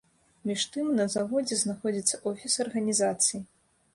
Між тым, на заводзе знаходзіцца офіс арганізацыі.